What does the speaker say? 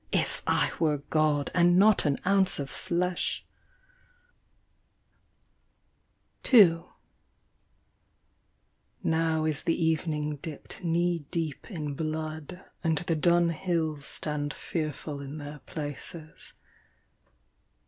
. If I were God, and not an ounce of flesh ! 61 IIHS TREE. II. N( >\Y is the evening dipped knee deep in blood And the dun hills stand fearful in their places.